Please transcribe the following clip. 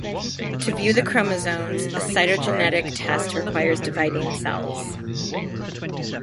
To view the chromosomes, a cytogenetic test requires dividing cells.